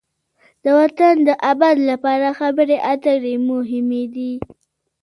د وطن د آباد لپاره خبرې اترې مهمې دي.